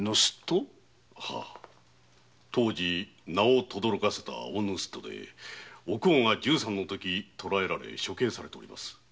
当時名を轟かせた大盗っ人でお甲が十三のときに捕えられ処刑されております。